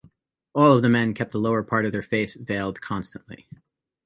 All of the men keep the lower part of their face veiled constantly.